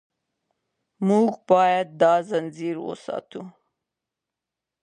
موږ باید دا ځنځیر وساتو.